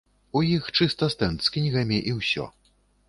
У іх чыста стэнд з кнігамі і ўсё.